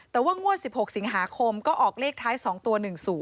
แต่ว่างวด๑๖สิงหาคมก็ออกเลขท้าย๒ตัว๑๐